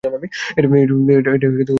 এটাই ভেবেছিলাম আমি।